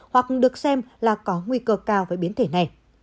hoặc được xem là có nguy cơ cao với biến thể này